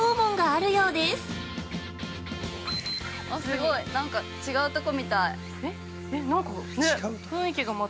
◆あ、すごいなんか違うとこみたい。